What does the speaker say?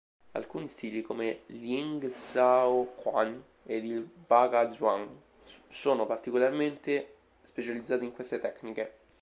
Alcuni stili come l'Yingzhaoquan ed il Baguazhang sono particolarmente specializzati in queste tecniche.